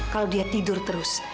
kalau dia tidur terus